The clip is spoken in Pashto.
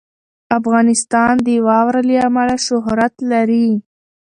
افغانستان د واوره له امله شهرت لري.